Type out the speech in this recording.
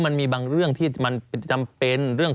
สำหรับสนุนโดยหวานได้ทุกที่ที่มีพาเลส